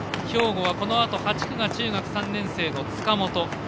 兵庫はこのあとが中学３年生の塚本。